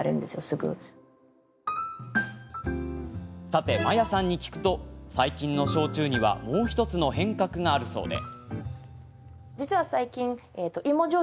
さて、マヤさんに聞くと最近の焼酎にはもう１つの変革があるそうで。